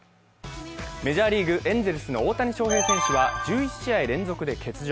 メジャーリーグ、エンゼルスの大谷翔平選手は１１試合連続で欠場。